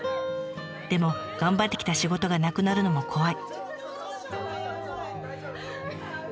でも頑張ってきた仕事がなくなるのも怖い」。